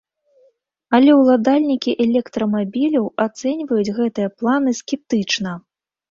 Але ўладальнікі электрамабіляў ацэньваюць гэтыя планы скептычна.